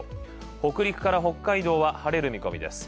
北陸から北海道は晴れる見込みです。